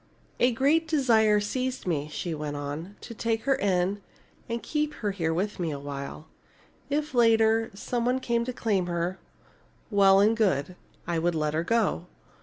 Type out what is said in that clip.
"A great desire seized me," she went on, "to take her in and keep her with me a while. If, later, some one came to claim her, well and good. I would let her go.